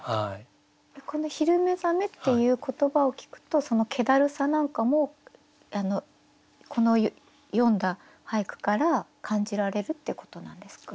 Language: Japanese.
この「昼寝覚」っていう言葉を聞くとそのけだるさなんかもこの読んだ俳句から感じられるってことなんですか？